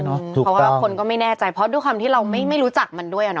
เพราะว่าคนก็ไม่แน่ใจเพราะด้วยความที่เราไม่รู้จักมันด้วย